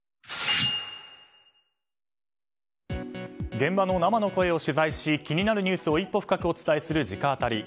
現場の生の声を取材し気になるニュースを一歩深くお伝えする直アタリ。